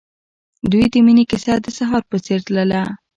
د دوی د مینې کیسه د سهار په څېر تلله.